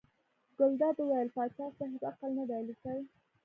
ګلداد وویل پاچا صاحب عقل نه دی الوتی.